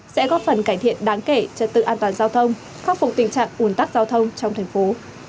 sẽ góp phần cải thiện đáng kể trật tự an toàn giao thông khắc phục tình trạng ủn tắc giao thông trong thành phố